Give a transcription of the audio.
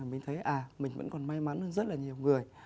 mình thấy à mình vẫn còn may mắn hơn rất là nhiều người